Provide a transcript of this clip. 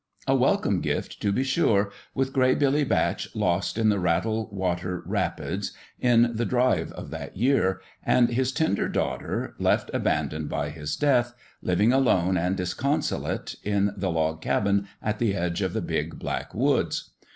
A welcome gift, to be sure ! with Gray Billy Batch lost in the Rattle Water rapids in the drive of that year, and his tender daughter, left abandoned by his death, living alone and disconsolate in the log cabin at the edge of the big, black woods.